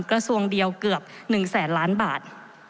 กระทรวงเดียวเกือบ๑แสนล้านบาท